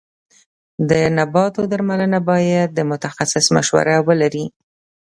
د نباتو درملنه باید د متخصص مشوره ولري.